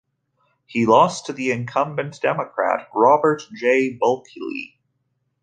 He lost to the incumbent Democrat, Robert J. Bulkley.